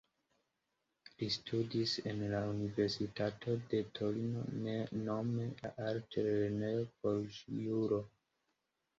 Li studis en la Universitato de Torino, nome en la Altlernejo por Juro.